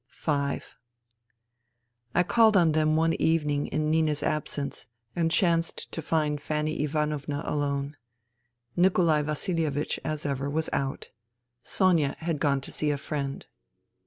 I called on them one evening in Nina's absence and chanced to find Fanny Ivanovna alone. Nikolai Vasilievich, as ever, was out. Sonia had gone to see a friend.